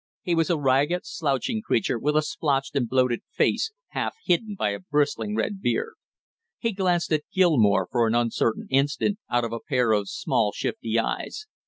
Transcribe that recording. He was a ragged slouching creature with a splotched and bloated face half hidden by a bristling red beard. He glanced at Gilmore for an uncertain instant out of a pair of small shifty eyes.